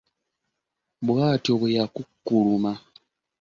Bw'atyo bwe yakukkuluma.